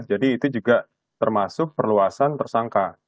jadi itu juga termasuk perluasan tersangka